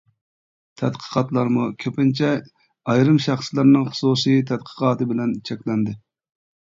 تەتقىقاتلارمۇ كۆپىنچە ئايرىم شەخسلەرنىڭ خۇسۇسىي تەتقىقاتى بىلەن چەكلەندى.